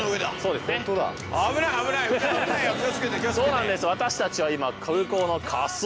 そうなんです。